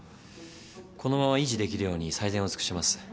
このまま維持できるように最善を尽くします。